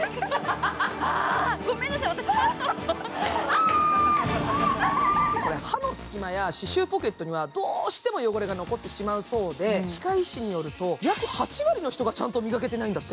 ごめんなさい、私歯の隙間や歯周ポケットにはどうしても汚れが残ってしまうそうで歯科医師によると約８割の人がちゃんと磨けてないんだって。